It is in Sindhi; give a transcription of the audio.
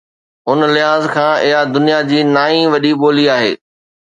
ان لحاظ کان اها دنيا جي نائين وڏي ٻولي آهي